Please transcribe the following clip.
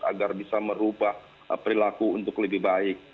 agar bisa merubah perilaku untuk lebih baik